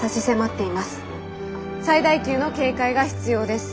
最大級の警戒が必要です。